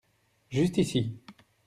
Juste ici.